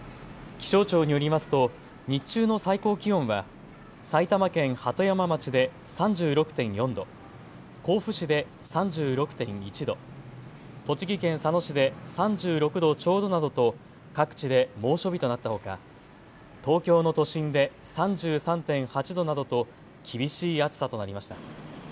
気象庁によりますと日中の最高気温は埼玉県鳩山町で３６．４度、甲府市で３６．１度、栃木県佐野市で３６度ちょうどなどと各地で猛暑日となったほか東京の都心で３３．８度などと厳しい暑さとなりました。